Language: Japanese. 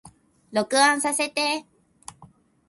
録音させて